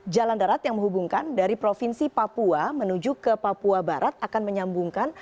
jalan darat yang menghubungkan dari provinsi papua menuju ke papua barat akan menyambungkan